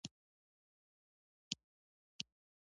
اوس په کوټه او حرم شریف کې وخت تیروو.